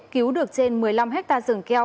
cứu được trên một mươi năm hectare rừng keo